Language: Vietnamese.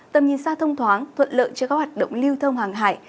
tầm nhìn xa thông thoáng thuận lợi cho các hoạt động lưu thông hàng hải